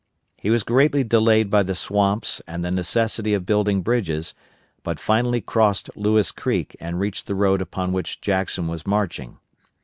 He was greatly delayed by the swamps and the necessity of building bridges, but finally crossed Lewis Creek and reached the road upon which Jackson was marching.